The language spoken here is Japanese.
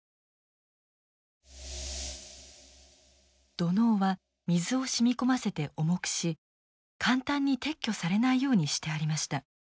土のうは水を染み込ませて重くし簡単に撤去されないようにしてありました。